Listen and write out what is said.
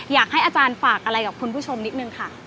อยากให้อาจารย์ฝากอะไรกับคุณผู้ชมนิดนึงค่ะ